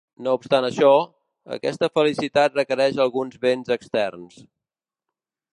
No obstant això, aquesta felicitat requereix alguns béns externs.